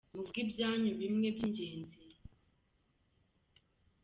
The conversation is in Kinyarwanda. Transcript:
Muvuge ibyanyu bimwe by’ingenzi